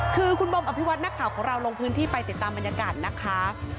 คือคุณบอมอภิวัตินักข่าวของเราลงพื้นที่ไปติดตามบรรยากาศนะคะ